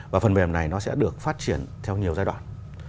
và phần mềm này nó sẽ được phát triển theo nhiều giai đoạn